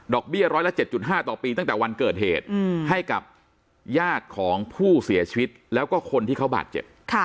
เบี้ยร้อยละ๗๕ต่อปีตั้งแต่วันเกิดเหตุให้กับญาติของผู้เสียชีวิตแล้วก็คนที่เขาบาดเจ็บ